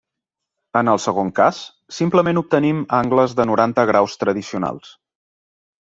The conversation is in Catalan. En el segon cas, simplement obtenim angles de noranta graus tradicionals.